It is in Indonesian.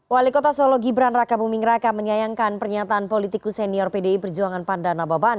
wali kota solo gibran raka buming raka menyayangkan pernyataan politikus senior pdi perjuangan pandana baban